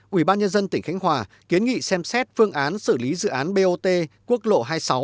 ủy ban nhân dân tỉnh khánh hòa kiến nghị xem xét phương án xử lý dự án bot quốc lộ hai mươi sáu